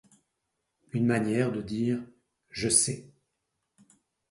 Une manière de dire « Je sais ».